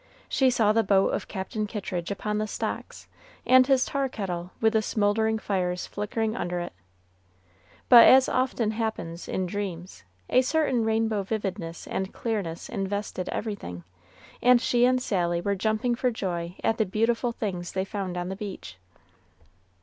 She saw the boat of Captain Kittridge upon the stocks, and his tar kettle with the smouldering fires flickering under it; but, as often happens in dreams, a certain rainbow vividness and clearness invested everything, and she and Sally were jumping for joy at the beautiful things they found on the beach.